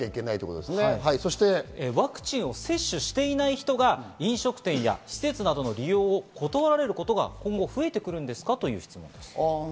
そしてワクチンを接種していない人が飲食店や施設などの利用を断られることが今後増えてくるんですか？という質問です。